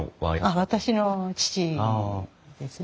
あっ私の父ですね。